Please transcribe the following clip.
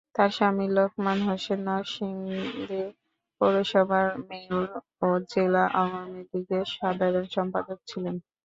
তার স্বামী লোকমান হোসেন নরসিংদী পৌরসভার মেয়র ও জেলা আওয়ামী লীগের সাধারণ সম্পাদক ছিলেন।